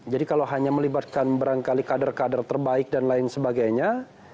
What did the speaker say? jadi kalau hanya melibatkan berangkali kader kader terbaik dan lain sebagainya